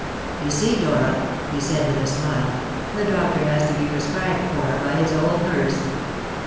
"You see, Dora," he said, with a smile, "the doctor has to be prescribed for by his old nurse.